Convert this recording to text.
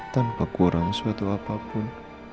tanpa kurang suatu apapun